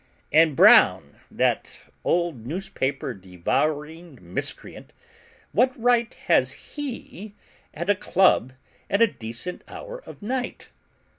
And Brown, that old newspaper devouring miscreant, what right has HE at a club at a decent hour of night?